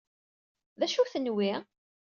D acu-ten wi?